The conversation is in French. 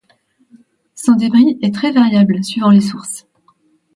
Son débit est très variable suivant les sources.